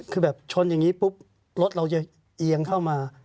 คือแบบชนอย่างนี้ปุ๊บรถเราจะเอียงเข้ามา